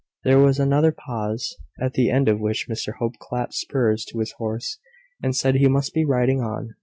There was another pause, at the end of which Mr Hope clapped spurs to his horse, and said he must be riding on.